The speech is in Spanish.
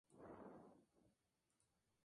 Y fueron ejecutadas con firmeza.